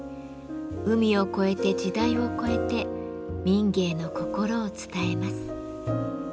海を越えて時代を超えて民藝の心を伝えます。